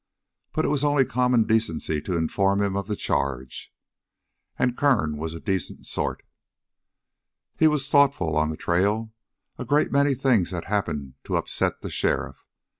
But it was only common decency to inform him of the charge, and Kern was a decent sort. He was thoughtful on the trail. A great many things had happened to upset the sheriff.